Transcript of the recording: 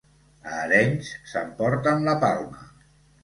A Arenys s'emporten la palma.